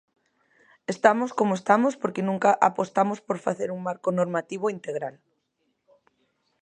Estamos como estamos porque nunca apostamos por facer un marco normativo integral.